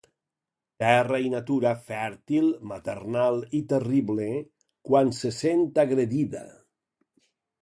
Terra i natura fèrtil maternal i terrible quan se sent agredida.